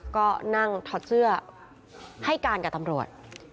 ก็นั่งถอดเสื้อให้การกับตำรวจ